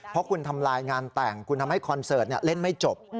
เพราะคุณทำลายงานแต่งคุณทำให้คอนเสิร์ตเล่นไม่จบ